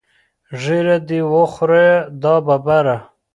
ږیره دې وخوره دا ببره.